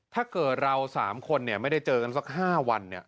ถ้าเกิดเราสามคนเนี่ยไม่ได้เจอกันสักห้าวันเนี่ย